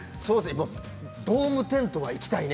今、ドームテントは行きたいね。